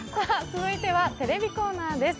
続いてはテレビコーナーです。